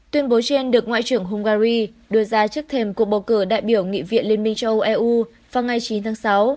tuyên bố trên được ngoại trưởng hungary đưa ra trước thềm cuộc bầu cử đại biểu nghị viện liên minh châu âu eu vào ngày chín tháng sáu